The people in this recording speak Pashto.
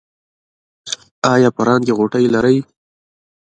ایا په ران کې غوټې لرئ؟